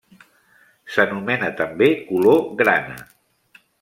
S'anomena també color grana.